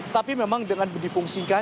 tapi memang dengan berdivisional